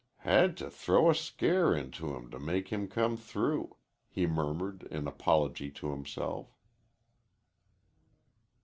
"Had to throw a scare into him to make him come through," he murmured in apology to himself.